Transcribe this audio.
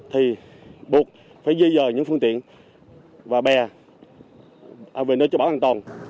thì buộc phải di rời những phương tiện và bè về nơi trung bão an toàn